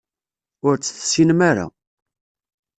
Ur tt-tessinem ara.